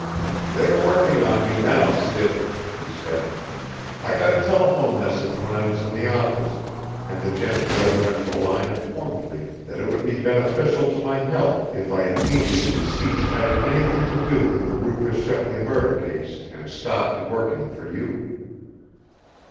"They are working on me now, Sid," he said. "I got a telephone message when I was in the office, and the gent at the other end of the line informed me that it would be beneficial to my health if I immediately ceased having anything to do with the Rufus Shepley murder case and stopped working for you."